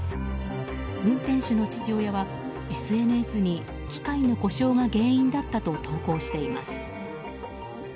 運転手の父親はＳＮＳに機械の故障が原因だったと投稿しています。